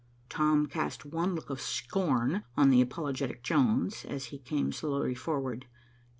Tom cast one look of scorn on the apologetic Jones, as he came slowly forward.